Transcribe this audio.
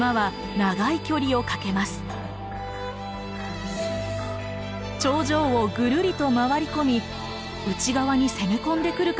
長城をぐるりと回り込み内側に攻め込んでくるかもしれません。